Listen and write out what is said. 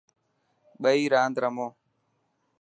ٻئي راند رمو.